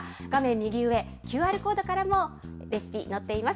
右上、ＱＲコードからもレシピ、載っています。